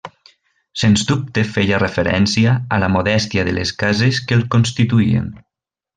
Sens dubte feia referència a la modèstia de les cases que el constituïen.